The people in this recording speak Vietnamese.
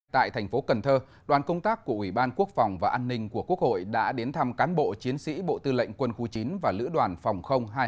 tại thành phố cần thơ đoàn công tác của ủy ban quốc phòng và an ninh của quốc hội đã đến thăm cán bộ chiến sĩ bộ tư lệnh quân khu chín và lữ đoàn phòng hai trăm sáu mươi